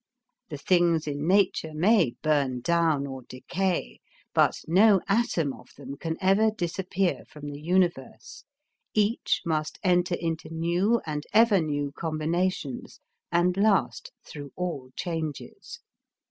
The things in nature may burn down or decay, but no atom of them can ever disappear from the universe, each must enter into new and ever new combinations and last through all changes.